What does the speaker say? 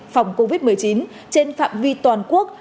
phòng covid một mươi chín trên phạm vi toàn quốc